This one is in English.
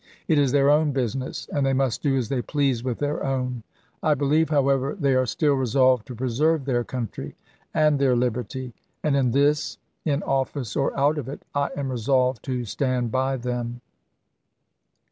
It is their own business, and they must do as they please with their own. I believe, how LINCOLN REELECTED 361 ever, they are still resolved to preserve their country and chap. xvi. their liberty ; and in this, in office or out of it, I am re Autopaph solved to stand by them.